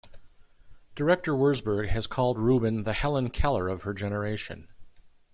Director Wurzburg has called Rubin the Helen Keller of her generation.